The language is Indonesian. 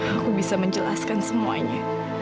aku bisa menjelaskan semuanya